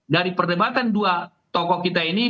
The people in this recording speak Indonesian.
dari perdebatan dua tokoh kita ini